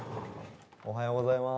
おはようございます。